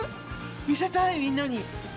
見せたいみんなに。